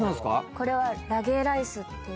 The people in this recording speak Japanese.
これはラゲーライスっていう。